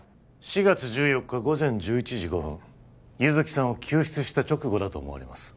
４月１４日午前１１時５分優月さんを救出した直後だと思われます